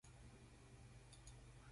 Ntshob ndùlàlà ndo nke nène.